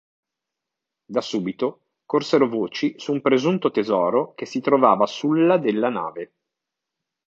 Da subito corsero voci su un presunto tesoro che si trovava sulla della nave.